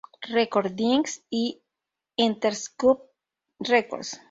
Recordings y Interscope Records.